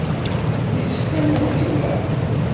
Yessefk ad nruḥ iḍ-a.